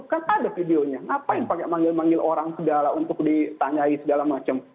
kan ada videonya kenapa panggil manggil orang segala untuk ditanyai segala macam